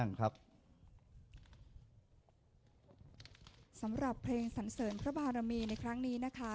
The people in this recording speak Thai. อาวมะโนะและสิระกันย่งเย็นสิระภพภภบท่านได้ลุกขึ้นยืนโดยพร้อมเพียงกันครับ